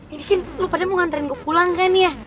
ini kan lo pada mau ngantarin gue pulang kan ya